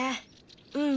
うん。